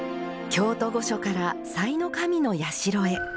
京都御所から幸神社へ。